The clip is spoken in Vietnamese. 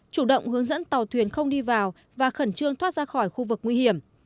chủ động hướng dẫn tàu thuyền không đi vào và khẩn trương thoát ra khỏi khu vực nguy hiểm